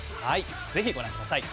ぜひご覧ください。